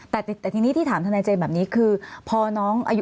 แต่ทีนี้ที่ถามทนายเจมส์แบบนี้คือพอน้องอายุ